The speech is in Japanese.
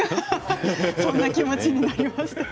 そんな気持ちになりますよね。